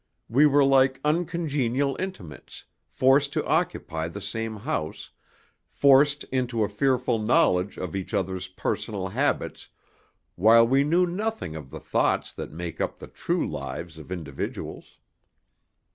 We were like uncongenial intimates, forced to occupy the same house, forced into a fearful knowledge of each other's personal habits, while we knew nothing of the thoughts that make up the true lives of individuals.